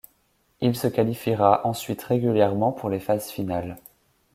Il se qualifiera ensuite régulièrement pour les phases finales.